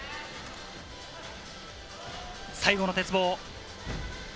最後の鉄棒。